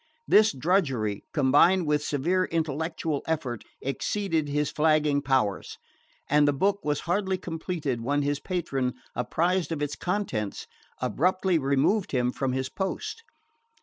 This drudgery, combined with severe intellectual effort, exceeded his flagging powers; and the book was hardly completed when his patron, apprised of its contents, abruptly removed him from his post.